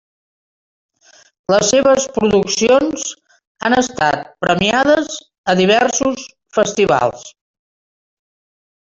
Les seves produccions han estat premiades a diversos festivals.